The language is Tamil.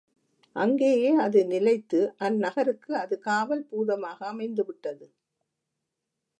அங்கேயே அது நிலைத்து அந்நகருக்கு அது காவல் பூதமாக அமைந்து விட்டது.